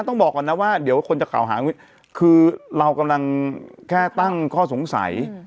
ต้องบอกก่อนนะว่าเดี๋ยวคนจะข่าวหาคุณคือเรากำลังแค่ตั้งข้อสงสัย